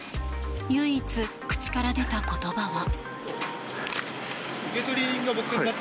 唯一、口から出た言葉は。